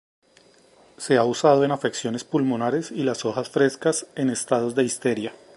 Se ha usado en afecciones pulmonares y las hojas frescas en estados de histeria.